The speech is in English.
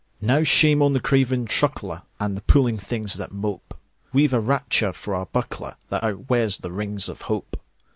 Now shame on the craven trucklerAnd the puling things that mope! We've a rapture for our bucklerThat outwears the rings of hope.